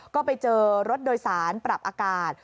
ก็ไปเจอรถโดยสารปรับอากาศ